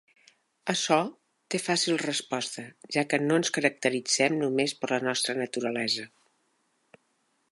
Açò té fàcil resposta, ja que no ens caracteritzem només per la nostra naturalesa.